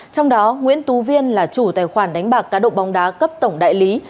trong đó nguyễn tú viên là chủ tài khoản đánh bạc cá độ bóng đá cấp tổng đại lý